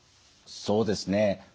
そうですね。